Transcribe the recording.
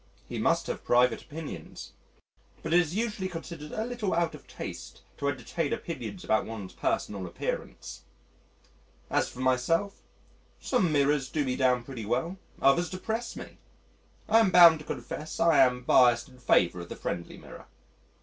He must have private opinions. But it is usually considered a little out of taste to entertain opinions about one's personal appearance. As for myself, some mirrors do me down pretty well, others depress me! I am bound to confess I am biassed in favour of the friendly mirror.